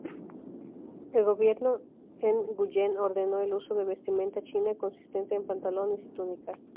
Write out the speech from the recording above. El gobierno Nguyễn ordenó el uso de vestimenta china consistente en pantalones y túnicas.